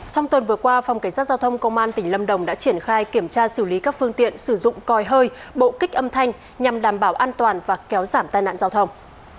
trong tuần vừa qua phòng cảnh sát giao thông công an tỉnh lâm đồng đã triển khai kiểm tra xử lý các phương tiện sử dụng còi hơi bộ kích âm thanh nhằm đảm bảo an toàn và kéo giảm tai nạn giao thông